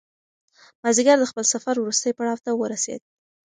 مازیګر د خپل سفر وروستي پړاو ته ورسېد.